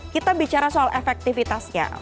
kita bicara soal efektifitasnya